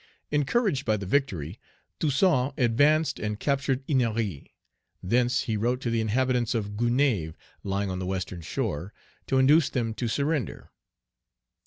Encouraged by the victory, Toussaint advanced and captured Ennery. Thence he wrote to the inhabitants of Gonaïves, lying on the western shore, to induce them to surrender.